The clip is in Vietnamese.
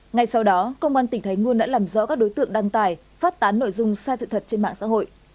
ngay sau đó công an tỉnh thái nguyên đã làm rõ các đối tượng đăng tải phát tán nội dung sai sự thật trên mạng xã hội